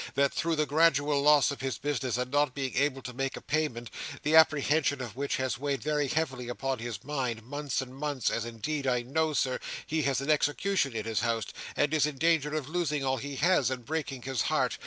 That, through the gradual loss of his business, and not being able to make a payment, the apprehension of which has weighed very heavily upon his mind, months and months, as indeed I know, Sir, he has an execution in his house, and is in danger of losing all he has, and breaking his heart.